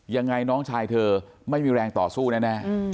ยังไงน้องชายเธอไม่มีแรงต่อสู้แน่